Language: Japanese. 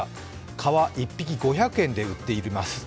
蚊は１匹５００円で売っております。